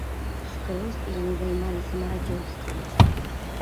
Скрозь яны займаліся марадзёрствам.